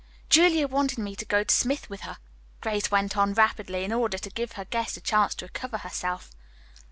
"Julia wanted me to go to Smith with her," Grace went on rapidly in order to give her guest a chance to recover herself.